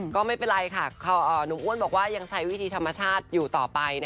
ก็ไม่เป็นไรค่ะหนุ่มอ้วนบอกว่ายังใช้วิธีธรรมชาติอยู่ต่อไป